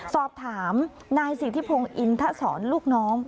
สอบถามนายศิษย์ทิพงอินทร์ถ้าสอนลูกน้อง